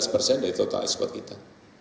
sepuluh sebelas persen dari total ekspor kita